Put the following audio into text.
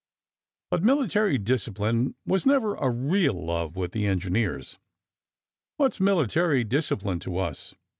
But military discipline was never a real love with the engineers. "What's military discipline to us?